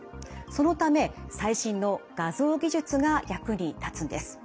そのため最新の画像技術が役に立つんです。